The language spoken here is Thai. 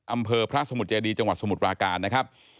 อำเภอพระสมุทรเจดีจังหวัดสมุทรปราการนะครับ